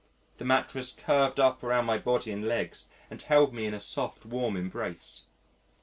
The mattress curved up around my body and legs and held me in a soft warm embrace....